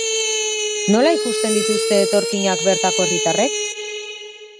Nola ikusten dituzte etorkinak bertako herritarrek?